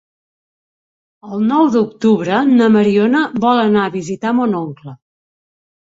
El nou d'octubre na Mariona vol anar a visitar mon oncle.